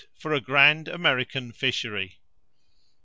For a grand American fishery.